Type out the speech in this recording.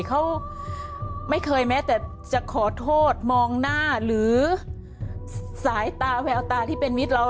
เขาไม่เคยแม้แต่จะขอโทษมองหน้าหรือสายตาแววตาที่เป็นมิตรเรา